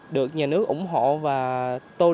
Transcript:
được nhà nước ủng hộ và tôn trọng